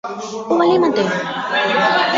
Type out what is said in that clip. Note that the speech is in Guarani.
ovalémante.